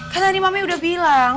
kan tadi mama udah bilang